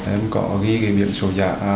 em có ghi ghi biệt số dạ